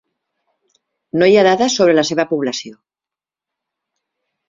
No hi ha dades sobre la seva població.